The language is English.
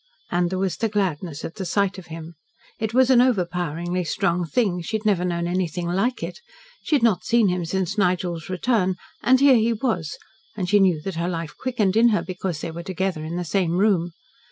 And there was the gladness at the sight of him. It was an overpoweringly strong thing. She had never known anything like it. She had not seen him since Nigel's return, and here he was, and she knew that her life quickened in her because they were together in the same room.